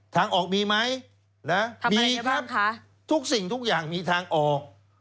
ทางออกมีไหมนะมีครับทุกสิ่งทุกอย่างมีทางออก